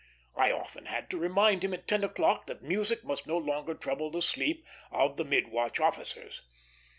I often had to remind him at ten o'clock that music must not longer trouble the sleep of the mid watch officers.